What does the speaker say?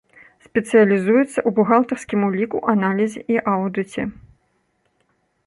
Спецыялізуецца ў бухгалтарскім уліку, аналізе і аўдыце.